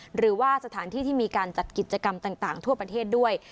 หรือว่าสถานที่ที่มีการจัดกิจกรรมต่างทั่วประเทศด้วย